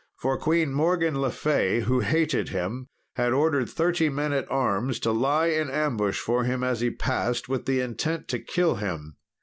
For Queen Morgan le Fay, who hated him, had ordered thirty men at arms to lie in ambush for him as he passed, with the intent to kill him.